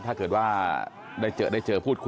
ถ้าเกิดว่าได้เจอพูดคุย